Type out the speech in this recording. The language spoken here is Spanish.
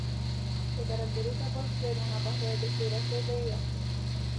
Se caracteriza por ser una pasta de textura seca y áspera.